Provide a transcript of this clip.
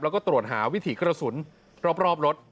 แล้วก็ตรวจหาวิถีกระสุนรอบรถ